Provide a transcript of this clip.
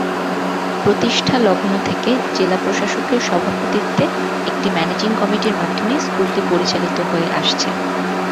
প্রতিষ্ঠা লগ্ন থেকে জেলা প্রশাসকের সভাপতিত্বে একটি ম্যানেজিং কমিটির মাধ্যমে স্কুলটি পরিচালিত হয়ে আসছে।